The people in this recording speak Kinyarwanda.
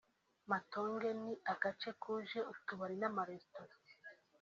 Matonge ni agace kuje utubari n’amaresitora